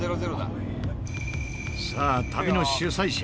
さあ旅の主催者